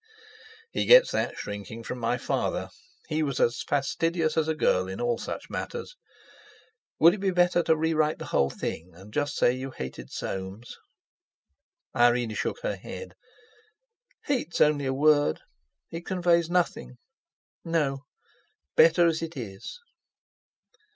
"He gets that shrinking from my father, he was as fastidious as a girl in all such matters. Would it be better to rewrite the whole thing, and just say you hated Soames?" Irene shook her head. "Hate's only a word. It conveys nothing. No, better as it is."